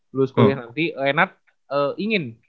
terus kuliah nanti renat ingin